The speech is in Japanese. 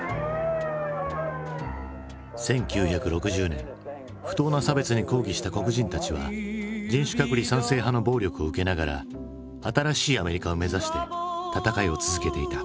１９６０年不当な差別に抗議した黒人たちは人種隔離賛成派の暴力を受けながら新しいアメリカを目指して闘いを続けていた。